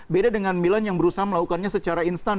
beda dengan milan yang berusaha melakukannya secara instan